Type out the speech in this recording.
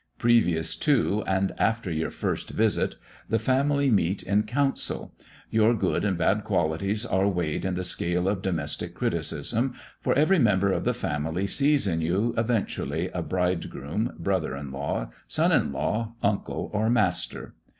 Previous to, and after your first visit, the family meet in council. Your good and bad qualities are weighed in the scale of domestic criticism; for every member of the family sees in you, eventually, a bridegroom, brother in law, son in law, uncle, or master.